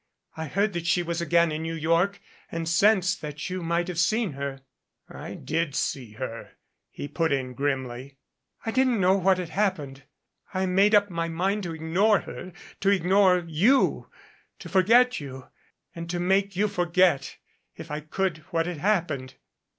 I heard that she was again in New York and sensed that you must have seen her " "I did see her," he put in grimly. "I didn't know what had happened. I made up my mind to ignore her to ignore you to forget you and to make you forget, if I could, what had happened."